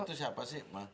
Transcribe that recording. itu siapa sih pak